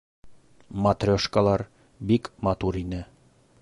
Матрешкалар бик матур ине.